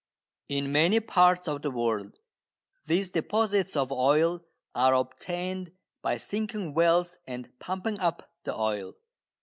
In many parts of the world these deposits of oil are obtained by sinking wells and pumping up the oil.